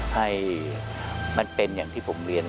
ให้มันเป็นอย่างที่ผมเรียน